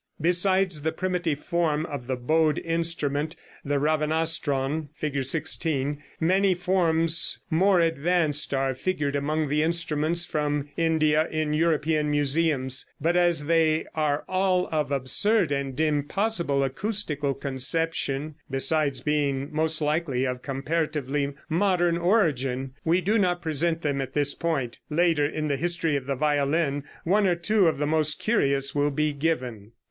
Besides the primitive form of the bowed instrument, the ravanastron (Fig. 16), many forms more advanced are figured among the instruments from India in European museums, but as they are all of absurd and impossible acoustical conception, besides being most likely of comparatively modern origin, we do not present them at this point. Later, in the history of the violin, one or two of the most curious will be given.